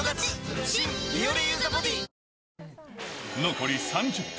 残り３０分。